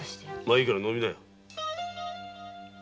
まいいから飲みなよ。